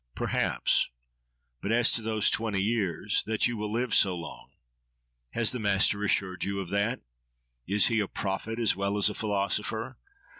—Perhaps! But as to those twenty years—that you will live so long. Has the master assured you of that? Is he a prophet as well as a philosopher?